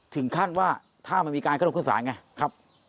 ถึงขั้นว่าถ้ามันมีการขึ้นลงขึ้นสารไงครับ